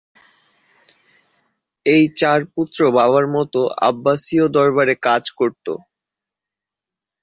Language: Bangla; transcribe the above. এই চার পুত্র বাবার মতো আব্বাসীয় দরবারে কাজ করতো।